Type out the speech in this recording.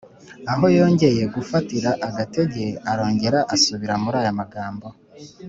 aho yongeye gufatira agatege arongera asubira muri ya magambo